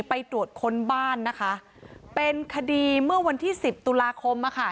ไปตรวจค้นบ้านนะคะเป็นคดีเมื่อวันที่สิบตุลาคม